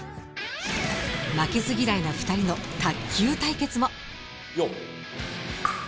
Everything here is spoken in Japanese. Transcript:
負けず嫌いな２人の卓球対決も。